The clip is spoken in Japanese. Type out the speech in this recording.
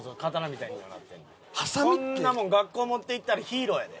こんなもん学校持っていったらヒーローやで小学校の時に。